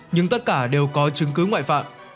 nhưng tất cả đều có chứng cứ ngoại phạm